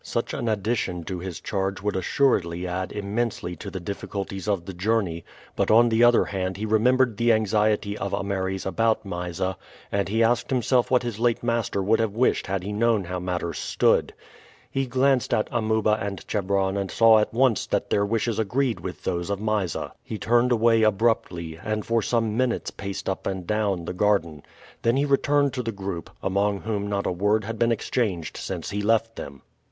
Such an addition to his charge would assuredly add immensely to the difficulties of the journey; but on the other hand he remembered the anxiety of Ameres about Mysa, and he asked himself what his late master would have wished had he known how matters stood. He glanced at Amuba and Chebron and saw at once that their wishes agreed with those of Mysa. He turned away abruptly, and for some minutes paced up and down the garden. Then he returned to the group, among whom not a word had been exchanged since he left them.